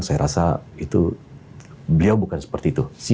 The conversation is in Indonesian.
saya rasa itu beliau bukan seperti itu